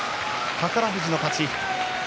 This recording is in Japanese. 宝富士の勝ちです。